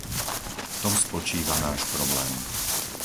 V tom spočíva náš problém.